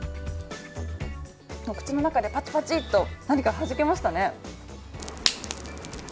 口の中でパチパチと何かはじけましたね。